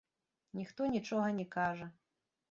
Ніхто нічога не кажа.